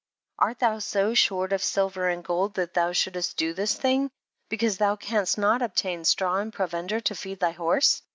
Art thou so short of silver and gold, that thou shouldest do this thing, because thou canst not obtain straw and provender to feed thy horse